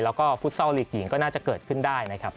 แล้วก็ฟุตซอลลีกหญิงก็น่าจะเกิดขึ้นได้นะครับ